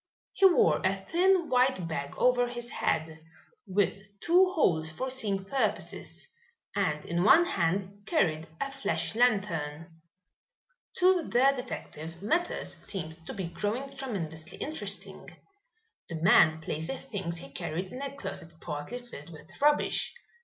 He wore a thin white bag over his head, with two holes for seeing purposes, and in one hand carried a flash lantern. To the detective matters seemed to be growing tremendously interesting. The man placed the things he carried in a closet partly filled with rubbish.